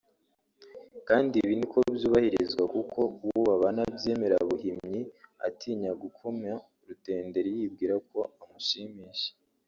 Kandi ibi niko byubahirizwa kuko uwo babana abyemera buhimyi atinya gukoma rutenderi yibwira ko amushimisha